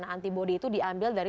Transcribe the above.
antibody itu diambil dari